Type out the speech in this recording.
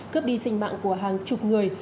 cướp đi sinh mạng của hàng chục người